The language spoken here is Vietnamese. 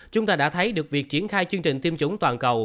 chúng ta đã thấy được việc triển khai chương trình tiêm chủng toàn cầu